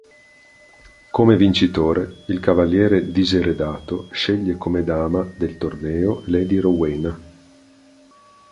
Come vincitore, il cavaliere Diseredato sceglie come dama del torneo lady Rowena.